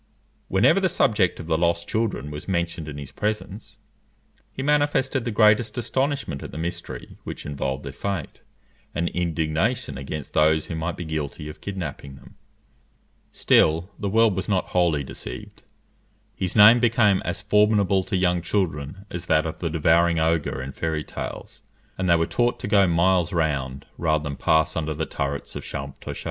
Whenever the subject of the lost children was mentioned in his presence, he manifested the greatest astonishment at the mystery which involved their fate, and indignation against those who might be guilty of kidnapping them. Still the world was not wholly deceived; his name became as formidable to young children as that of the devouring ogre in fairy tales, and they were taught to go miles round, rather than pass under the turrets of Champtocé.